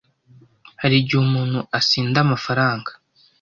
Hari igihe umuntu asinda amafaranga,